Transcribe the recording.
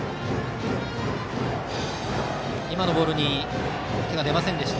今のボールに手が出ませんでした。